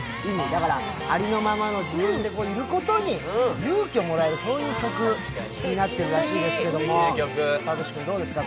だから、ありのままの自分でいることに勇気をもらえる曲になっているらしいですけれども、慧君、この曲はどうですか？